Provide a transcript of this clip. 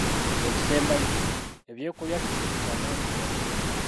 Ekisembayo, ebyokulya kizibu kyamaanyi ddala.